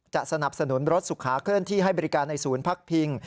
สนับสนุนรถสุขาเคลื่อนที่ให้บริการในศูนย์พักพิง